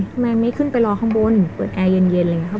ทำไมไม่ขึ้นไปรอข้างบนเปิดแอร์เย็นอะไรอย่างนี้ครับ